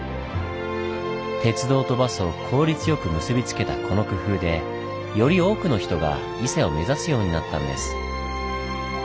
鉄道とバスを効率よく結び付けたこの工夫でより多くの人が伊勢を目指すようになったんです。